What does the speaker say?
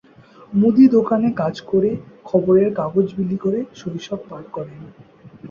মুদি দোকানে কাজ করে, খবরের কাগজ বিলি করে শৈশব পার করেন।